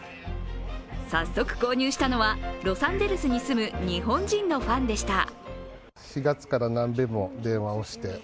早速購入したのは、ロサンゼルスに住む日本人のファンでした。